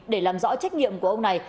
để làm rõ trách nhiệm của ông này